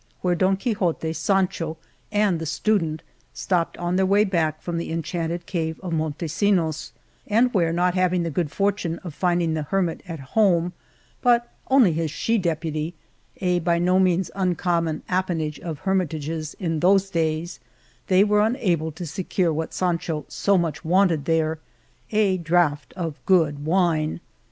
where Don Quixote, Sancho, and the stu dent stopped on their way back from the Enchanted Cave of Montesinos, and where, not having •the good fortune of finding the Hermit at home, but only his she deputy (a by no means uncommon appanage of her mitages in those days), they were unable to 88 Monteil secure what Sancho so much wanted there — a draught of good wine.